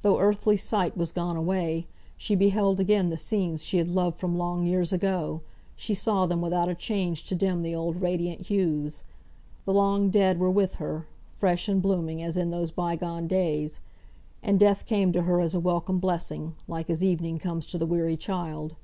Though earthly sight was gone away, she beheld again the scenes she had loved from long years ago! she saw them without a change to dim the old radiant hues. The long dead were with her, fresh and blooming as in those bygone days. And death came to her as a welcome blessing, like as evening comes to the weary child.